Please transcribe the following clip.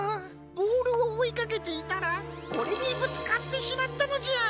ボールをおいかけていたらこれにぶつかってしまったのじゃ。